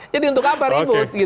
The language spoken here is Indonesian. jadi untuk apa ribut